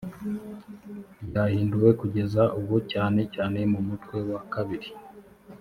ryahinduwe kugeza ubu cyane cyane mu mutwe wa kabiri